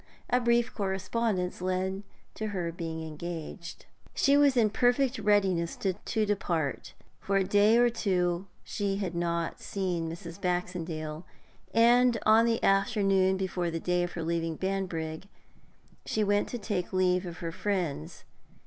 A brief correspondence led to her being engaged. She was in perfect readiness to depart. For a day or two she had not seen Mrs. Baxendale, and, on the afternoon before the day of her leaving Banbrigg, she went to take leave of her friends.